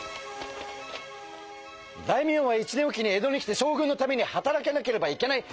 「大名は１年おきに江戸に来て将軍のために働かなければいけない。